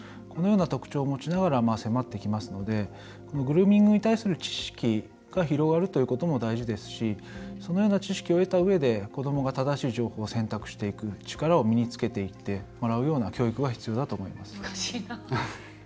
このような特徴を持ちながら迫っていきますのでこのグルーミングに対する知識が広がるということも大事ですしそのような知識を得たうえで子どもが正しい情報を選択していく身につけていけるような教育が必要だと思います。